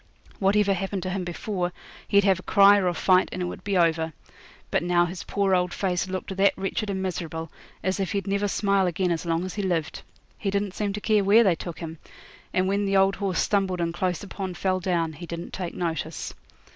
Whatever happened to him before he'd have a cry or a fight, and it would be over. But now his poor old face looked that wretched and miserable, as if he'd never smile again as long as he lived. He didn't seem to care where they took him; and when the old horse stumbled and close upon fell down he didn't take notice.